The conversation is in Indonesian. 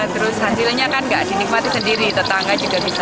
terus hasilnya kan nggak dinikmati sendiri tetangga juga bisa